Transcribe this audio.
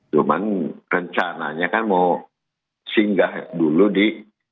cuman rencananya kan mau singgah dulu di